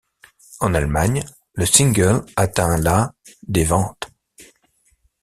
En Allemagne, le single atteint la des ventes.